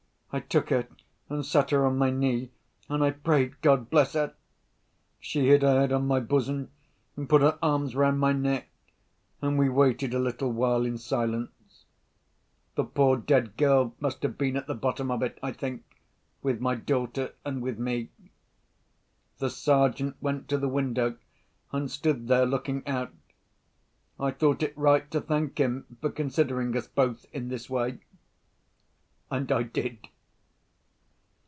I took her and sat her on my knee and I prayed God bless her. She hid her head on my bosom, and put her arms round my neck—and we waited a little while in silence. The poor dead girl must have been at the bottom of it, I think, with my daughter and with me. The Sergeant went to the window, and stood there looking out. I thought it right to thank him for considering us both in this way—and I did.